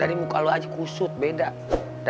abis suatu reformasi